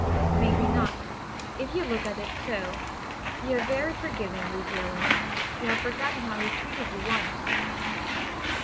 "Maybe not—if you look at it so. You're very forgiving, Lucy Ellen. You've forgotten how he treated you once."